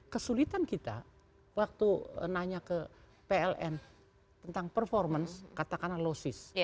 kesulitan kita waktu nanya ke pln tentang performance katakanlah losis